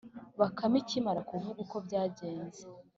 bakame ikimara kuvuga uko byajyenze